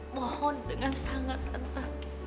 mohon dengan sangat tante